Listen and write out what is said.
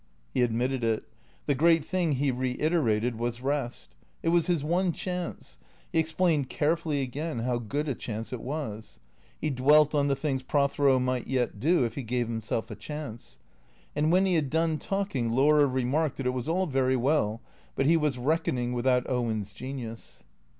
He admitted it. The great thing, he reiterated, was rest. It was his one chance. He explained carefully again how good a chance it was. He dwelt on the things Prothero might yet do if he gave himself a chance. And when he had done talking Laura remarked that it was all very well, but he was reckoning without Owen's genius.